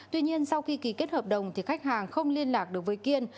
tuy nhiên sau khi ký kết hợp đồng thì khách hàng không liên lạc được với kiên